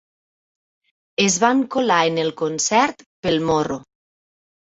Es van colar en el concert pel morro.